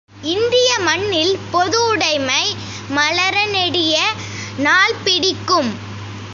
இந்திய மண்ணில் பொது உடைமை மலர நெடிய நாள் பிடிக்கும்.